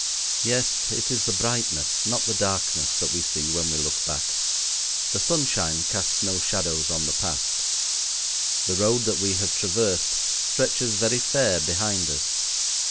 Yes, it is the brightness, not the darkness, that we see when we look back. The sunshine casts no shadows on the past. The road that we have traversed stretches very fair behind us.